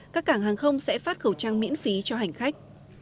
các cảng hàng không sẽ phát khẩu trang miễn phí cho hành khách